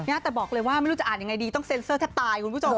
แต่บอกเลยว่าไม่รู้จะอ่านยังไงดีต้องเซ็นเซอร์แทบตายคุณผู้ชม